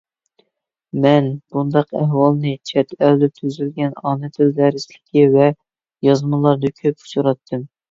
مەن بۇنداق ئەھۋالنى چەت ئەلدە تۈزۈلگەن ئانا تىل دەرسلىكى ۋە يازمىلاردا كۆپ ئۇچراتتىم.